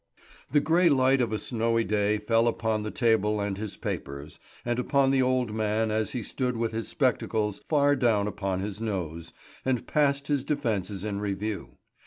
The grey light of a snowy day fell upon the table and his papers, and upon the old man as he stood with his spectacles far down upon his nose, and passed his defences in review.